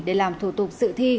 để làm thủ tục sự thi